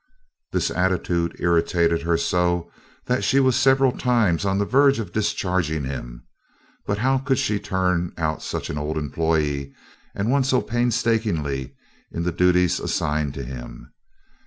This attitude irritated her so that she was several times on the verge of discharging him, but how could she turn out so old an employee and one so painstaking in the duties assigned to him?